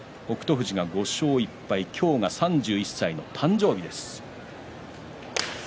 富士が５勝１敗、今日が３１歳の誕生日です。